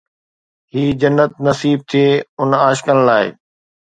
هي جنت نصيب ٿئي ان عاشقن لاءِ